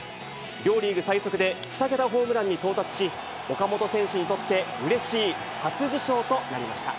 両リーグ最速で２桁ホームランに到達し、岡本選手にとってうれしい初受賞となりました。